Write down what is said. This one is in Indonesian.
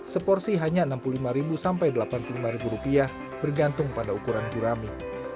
seporsi hanya rp enam puluh lima sampai rp delapan puluh lima bergantung pada ukuran gurami